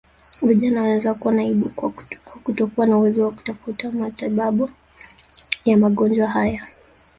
Vijana wanaweza kuona aibu au kutokuwa na uwezo wa kutafuta matibabu ya magonjwa haya